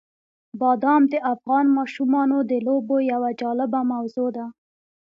بادام د افغان ماشومانو د لوبو یوه جالبه موضوع ده.